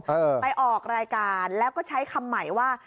เออไปออกรายการแล้วก็ใช้คำใหม่ว่า